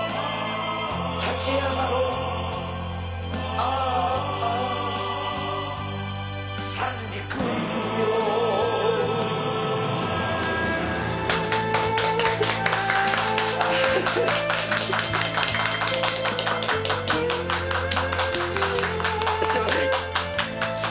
ああすいません。